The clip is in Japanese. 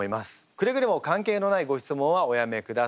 くれぐれも関係のないご質問はおやめください。